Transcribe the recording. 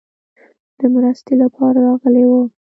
د مرستې لپاره راغلي ول.